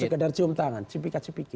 cukup sekedar cium tangan cipika cipiki